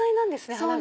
花が。